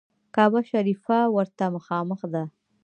کعبه شریفه ورته مخامخ ده.